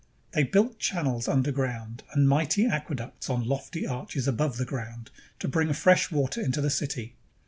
They built channels under ground and mighty aqueducts on lofty arches above ground to bring fresh water into the city.